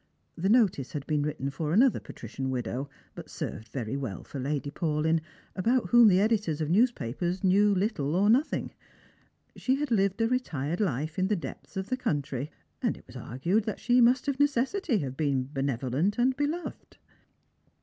The notice had been written for another patrician widow, but served very well for Lady Paulyn, about whom the editors of newspapers knew little or nothing. _ She had lived a retired life in the depths of the country, and it was argued that she must of necessity have been benevolent and beloved.